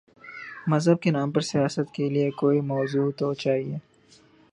مذہب کے نام پر سیاست کے لیے کوئی موضوع تو چاہیے۔